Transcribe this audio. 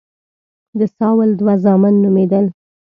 د ساول دوه زامن نومېدل.